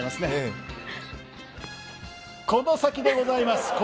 この先でございます。